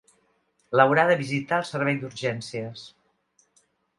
L'haurà de visitar el servei d'urgències.